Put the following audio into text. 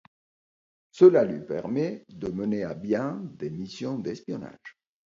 Cela lui permet de mener à bien des missions d'espionnage.